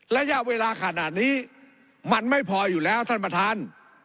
ระยะเวลาขนาดนี้มันไม่พออยู่แล้วท่านประธาน